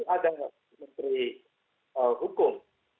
ada menteri hukum